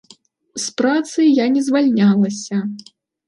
З працы я не звальнялася.